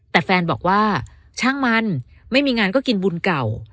แต่แฟนบอกว่าช่างมันไม่มีงานก็กินบุญเก่า